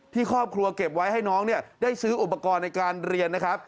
ที่ครอบครัวเก็บไว้ให้น้องได้ซื้ออุปกรณ์ในการเรียนนะครับ